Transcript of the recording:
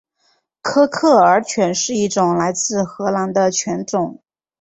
科克尔犬是一种来自荷兰的犬种。